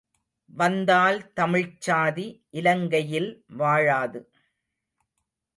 வந்தால் தமிழ்ச்சாதி இலங்கையில் வாழாது.